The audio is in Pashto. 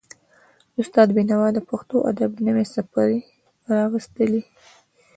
استاد بینوا د پښتو ادب نوې څپې راوستلې.